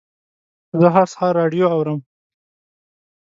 زه هر سهار راډیو اورم.